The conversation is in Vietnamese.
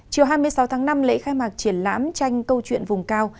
chiều hai mươi sáu tháng năm lễ khai mạc triển lãm tranh câu chuyện vùng cao